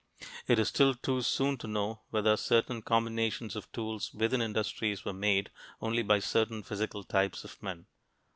It is still too soon to know whether certain combinations of tools within industries were made only by certain physical types of men.